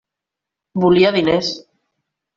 Volia diners!